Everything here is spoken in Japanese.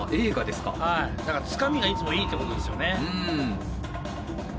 つかみがいつもいいってことですよね。